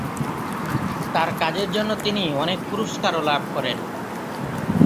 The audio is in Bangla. তার কাজের জন্য তিনি অনেক পুরস্কারও লাভ করেন।